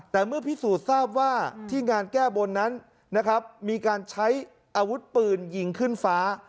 แต่เมื่อพิสูจน์ทราบว่าที่งานแก้บนนั้นนะครับมีการใช้อาวุธปืนยิงขึ้นฟ้า